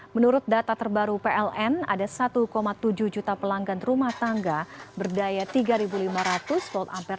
menurut data terbaru pln ada satu tujuh juta pelanggan rumah tangga berdaya tiga lima ratus volt ampere